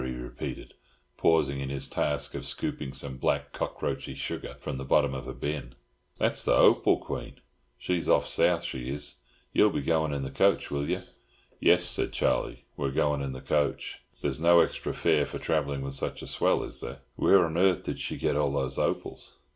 he repeated, pausing in his task of scooping some black cockroachy sugar from the bottom of a bin. "That's the Hopal Queen! She's hoff South, she is. Yer'll be going in the coach, will yer?" "Yes," said Charlie. "We're going in the coach. There's no extra fare for travelling with such a swell, is there? Where on earth did she get all those opals?"